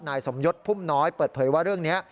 นายสมยศพุ่มน้อยเปิดเผยว่าเรื่องนี้